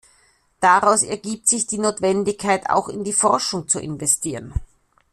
Daraus ergibt sich die Notwendigkeit, auch in die Forschung zu investieren.